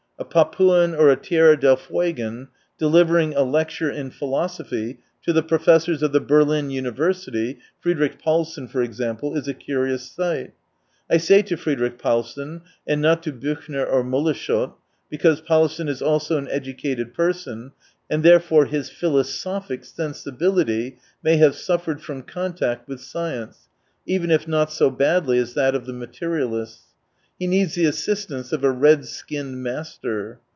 A Papuan or a Tierra del Fuegan delivering a lecture in philosophy to the professors of the Berlin University — Friedrieh Paulsen, for example — is a curious sight. I say to Friedrieh Paulsen, and not to Buchfler or Moleschot, because Paulsen is also an educated person, and therefore his philosophic sensibility may have suffered from contact with science, even if not so badly as that of the materialists. He needs the assistance of a red skinned master.